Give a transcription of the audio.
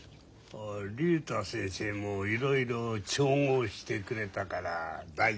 竜太先生もいろいろ調合してくれたから大丈夫。